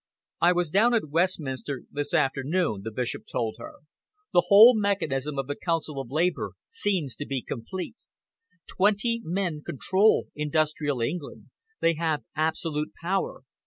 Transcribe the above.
"I was down at Westminster this afternoon," the Bishop told her. "The whole mechanism of the Council of Labour seems to be complete. Twenty men control industrial England. They have absolute power.